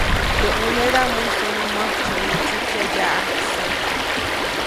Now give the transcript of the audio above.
Teʼ ʼunedaʼm mujsuʼmuŋ mäjtsyäwyätsäjkya yaʼajkse.